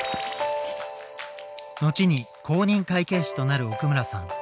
後に公認会計士となる奥村さん。